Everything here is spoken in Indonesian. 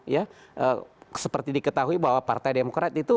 ya seperti diketahui bahwa partai demokrat itu